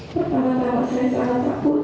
pertama kali saya salah takut